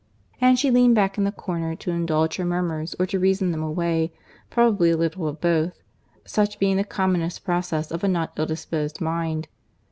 And she leaned back in the corner, to indulge her murmurs, or to reason them away; probably a little of both—such being the commonest process of a not ill disposed mind.